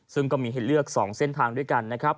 ซึ่งก็มีให้เลือก๒เส้นทางด้วยกันนะครับ